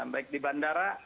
baik di bandara